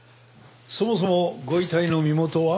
そもそもご遺体の身元は？